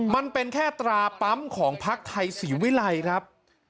มันเป็นแค่ตราปั๊มของพักไทยศรีวิรัยครับ